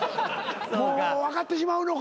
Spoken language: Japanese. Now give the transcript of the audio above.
もう分かってしまうのか。